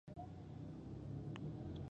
ګواکي ټول بد عادتونه ورک سول ولاړه